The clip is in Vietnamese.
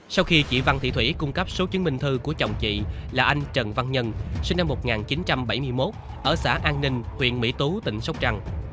sau khi chị văn thị thủy cung cấp số chứng minh thư của chồng chị là anh trần văn nhân sinh năm một nghìn chín trăm bảy mươi một ở xã an ninh huyện mỹ tú tỉnh sóc trăng